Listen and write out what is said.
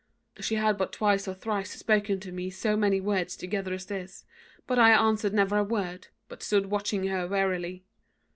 "She had but twice or thrice spoken to me so many words together as this; but I answered never a word, but stood watching her warily.